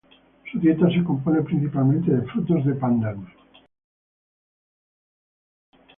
Su dieta se compone principalmente de frutos de pandanus.